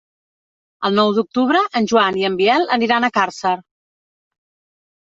El nou d'octubre en Joan i en Biel aniran a Càrcer.